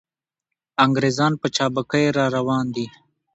انګریزان په چابکۍ را روان دي.